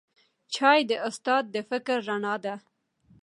چای د استاد د فکر رڼا ده